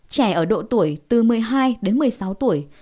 trẻ ở độ tuổi từ một mươi hai đến một mươi sáu tuổi